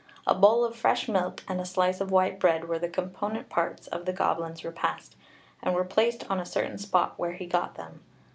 A bowl of fresh milk and a slice of white bread were the component parts of the goblin's repast, and were placed on a certain spot where he got them.